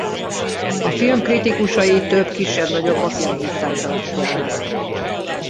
A film kritikusai több kisebb-nagyobb bakira hívták fel a figyelmet.